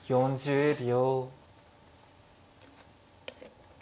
４０秒。